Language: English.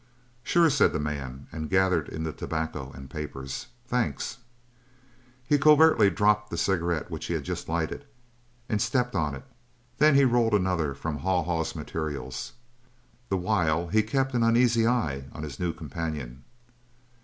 "Sure," said the man, and gathered in the tobacco and papers. "Thanks!" He covertly dropped the cigarette which he had just lighted, and stepped on it, then he rolled another from Haw Haw's materials. The while, he kept an uneasy eye on his new companion.